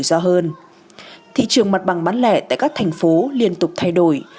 thị trường mặt bằng bán lẻ tại các thành phố liên tục thay đổi